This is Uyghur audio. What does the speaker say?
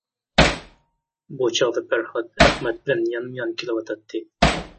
بۇ چاغدا پەرھات ئەخمەت بىلەن يانمۇ-يان كېلىۋاتاتتى.